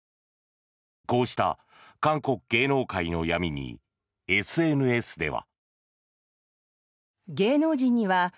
こうした韓国芸能界の闇にＳＮＳでは。